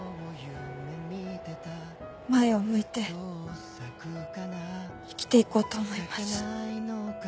前を向いて生きていこうと思います。